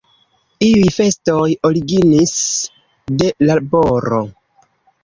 Iuj festoj originis de laboro.